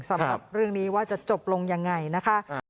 สำหรับเรื่องนี้ว่าจะจบลงยังไงนะคะ